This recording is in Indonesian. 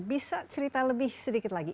bisa cerita lebih sedikit lagi